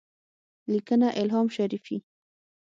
-لیکنه: الهام شریفي